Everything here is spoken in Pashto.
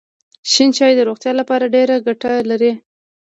شین چای د روغتیا لپاره ډېره ګټه لري.